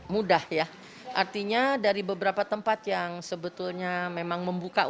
mudah ya artinya dari beberapa tempat yang sebetulnya memang membuka usaha